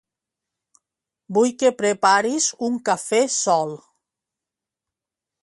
Vull que preparis un cafè sol.